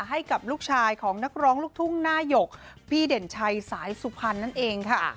ให้กับลูกชายของนักร้องลูกทุ่งหน้าหยกพี่เด่นชัยสายสุพรรณนั่นเองค่ะ